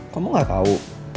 kamu gak tau